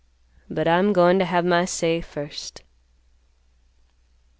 But I'm goin' to have my say first."